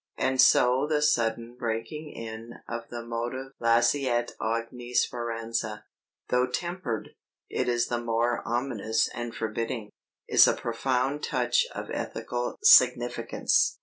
And so the sudden breaking in of the motive 'Lasciate ogni speranza' though tempered, it is the more ominous and forbidding is a profound touch of ethical significance.